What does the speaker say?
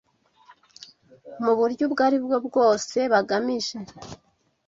mu buryo ubwo ari bwo bwose, bagamije